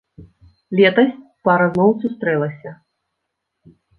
Летась пара зноў сустрэлася.